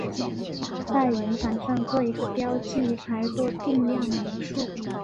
在圆盘上做一个标记来做定量描述。